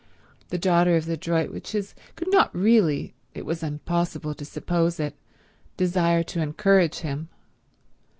The daughter of the Droitwiches could not really, it was impossible to suppose it, desire to encourage him.